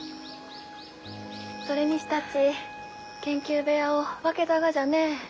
それにしたち研究部屋を分けたがじゃね。